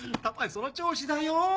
その調子だよ！